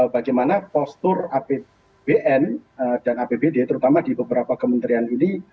bagaimana postur apbn dan apbd terutama di beberapa kementerian ini